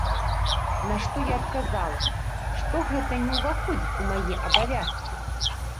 На што я адказала, што гэта не ўваходзіць у мае абавязкі.